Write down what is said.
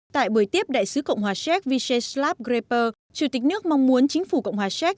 tại buổi tiếp đại sứ cộng hòa xép vise slav greper chủ tịch nước mong muốn chính phủ cộng hòa xép